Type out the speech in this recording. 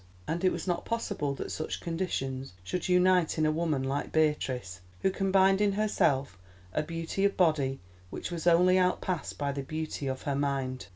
And was it not possible that such conditions should unite in a woman like Beatrice, who combined in herself a beauty of body which was only outpassed by the beauty of her mind?